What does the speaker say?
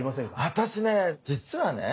私ね実はね